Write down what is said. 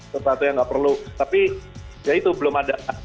tentu saja nggak perlu tapi ya itu belum ada kayak hasilnya apa